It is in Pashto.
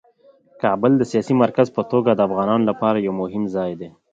کابل د سیاسي مرکز په توګه د افغانانو لپاره یو مهم ځای دی.